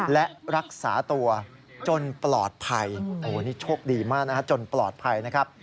และรักษาตัวจนปลอดภัยโอ้โหนี่โชคดีมากนะฮะจนปลอดภัยนะครับ